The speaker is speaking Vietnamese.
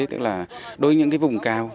tức là đối với những cái vùng cao